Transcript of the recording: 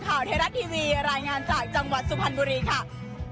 ข่าวไทยรัฐทีวีรายงานจากจังหวัดสุพรรณบุรีค่ะ